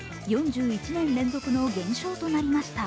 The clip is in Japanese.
４１年連続の減少となりました。